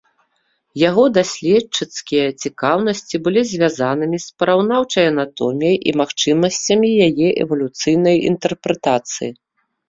Яго даследчыцкія цікаўнасці былі звязанымі з параўнаўчай анатоміяй і магчымасцямі яе эвалюцыйнай інтэрпрэтацыі.